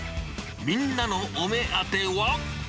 みんなのお目当ては？